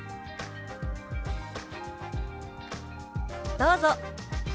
どうぞ。